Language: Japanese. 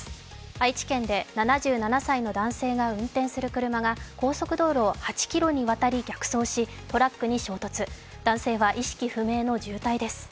愛知県で７７歳の男性が運転する車が高速道路を８ｋｍにわたり逆走しトラックに衝突、男性は意識不明の重体です。